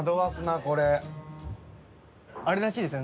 あれらしいですね。